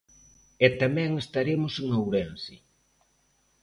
E tamén estaremos en Ourense.